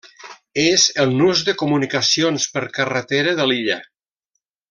És el nus de comunicacions per carretera de l'illa.